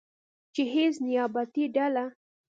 چې هیڅ نیابتي ډله